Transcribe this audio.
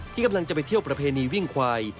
กำลังจะไปเที่ยวประเพณีวิ่งควาย